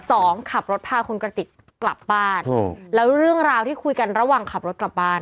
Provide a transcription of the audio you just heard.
ขับรถพาคุณกระติกกลับบ้านแล้วเรื่องราวที่คุยกันระหว่างขับรถกลับบ้าน